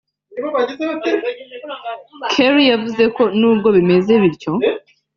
Kerry yavuze ko nubwo bimeze bityo